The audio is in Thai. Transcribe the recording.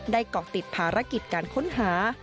ได้กรอกติดภารกิจการค้นหา